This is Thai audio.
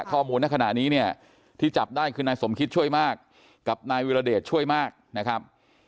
ข้อมูลในขณะนี้เนี่ยที่จับได้คือนายสมคิดช่วยมากกับนายวิรเดชช่วยมากนะครับ